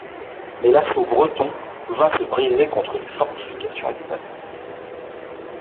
Mais l’assaut breton vint se briser contre les fortifications du monastère.